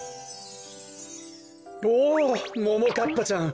おおももかっぱちゃん。